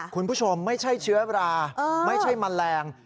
คุณผู้ชมไม่ใช่เชื้อราไม่ใช่แมลง